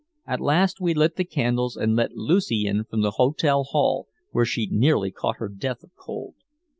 At last we lit the candles and let Lucy in from the hotel hall, where she'd nearly caught her death of cold.